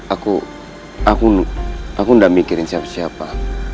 aku aku aku enggak mikirin siapa siapa